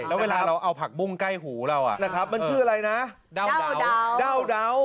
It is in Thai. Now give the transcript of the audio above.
แล้วเวลาเราเอาผักบุ้งใกล้หูเรานะครับมันชื่ออะไรนะดาวเดา